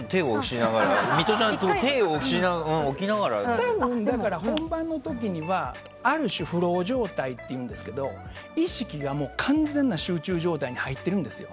多分本番の時には、ある種フロー状態というんですけど意識が完全な集中状態に入っているんですよ。